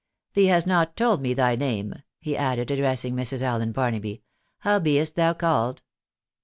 Thee hast not told me thy name," he added, addressing Mrs. Allen Barnaby. " How be'st thou called